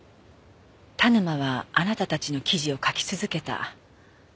田沼はあなたたちの記事を書き続けた。